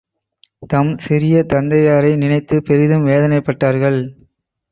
தம் சிறிய தந்தையாரை நினைத்துப் பெரிதும் தேவனைப்பட்டார்கள்.